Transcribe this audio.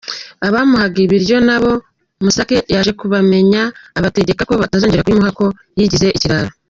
Abamuhaga ibiryo na bo, mukase yaje kubamenya abategeka ko batazongera kubimuha, ko yigize ikirara.